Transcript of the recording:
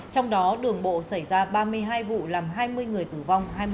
trong đó đường bộ xảy ra ba mươi hai vụ làm hai mươi người tử vong